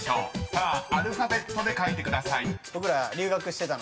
さあアルファベットで書いてください］